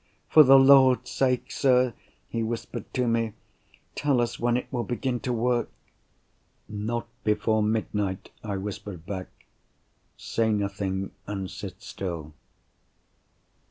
"For the Lord's sake, sir," he whispered to me, "tell us when it will begin to work." "Not before midnight," I whispered back. "Say nothing, and sit still."